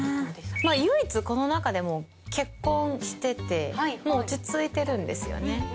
唯一この中で結婚しててもう落ち着いてるんですよね。